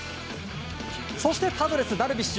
そして、パドレスダルビッシュ